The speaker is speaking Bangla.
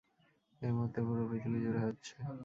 এই মুহূর্তে পুরো পৃথিবী জুড়ে হচ্ছে।